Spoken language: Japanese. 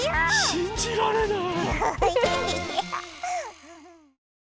しんじられない。